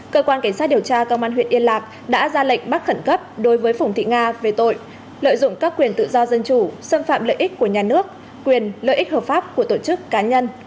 cơ quan cảnh sát điều tra công an huyện yên lạc đã ra lệnh bắt khẩn cấp đối với phùng thị nga về tội lợi dụng các quyền tự do dân chủ xâm phạm lợi ích của nhà nước quyền lợi ích hợp pháp của tổ chức cá nhân